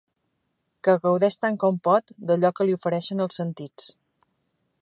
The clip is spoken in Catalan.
Que gaudeix tant com pot d'allò que li ofereixen els sentits.